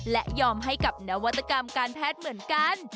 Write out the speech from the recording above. และยอมให้กับนวัตกรรมการแพทย์เหมือนกัน